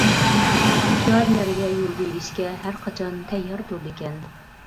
پىيادىلەرگە يول بېرىشكە ھەرقاچان تەييار تۇرىدىكەن.